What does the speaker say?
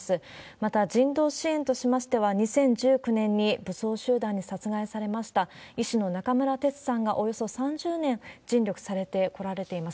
また、人道支援としましては、２０１９年に武装集団に殺害されました医師の中村哲さんが、およそ３０年尽力されてこられています。